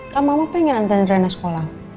kan mama pengen antrein trener sekolah